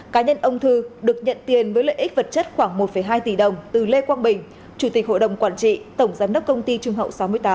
cá nhân ông thư được nhận tiền với lợi ích vật chất khoảng một hai tỷ đồng từ lê quang bình chủ tịch hội đồng quản trị tổng giám đốc công ty trung hậu sáu mươi tám